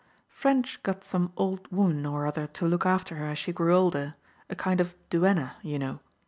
Ffrench got some old woman or other to look after her as she grew older — a kind of duenna, you know.